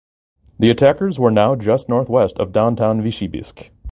The attackers were now just northwest of downtown Vitebsk.